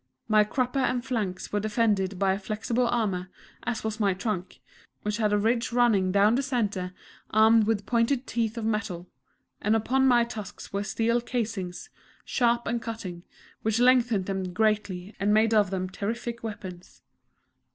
My crupper and flanks were defended by flexible armour, as was my trunk, which had a ridge running down the centre armed with pointed teeth of metal; and upon my tusks were steel casings, sharp and cutting, which lengthened them greatly and made of them terrific weapons.